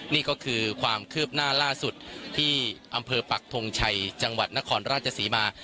นี่ก็คือความคืบหน้าล่าสุดที่อำเภอปักทงชัยจังหวัดนครราชศรีมา